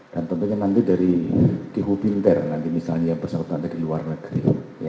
dan tentunya nanti dari ku pinter nanti misalnya persangkutan dari luar negeri